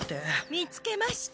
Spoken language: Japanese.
見つけました。